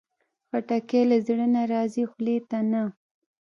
خټکی له زړه نه راځي، خولې ته نه.